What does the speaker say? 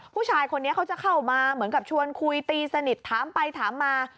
ผู้ชายคนนี้เขาจะเข้ามาเหมือนกับชวนคุยตีสนิทถามไปถามมา